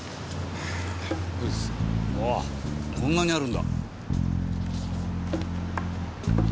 うわこんなにあるんだ。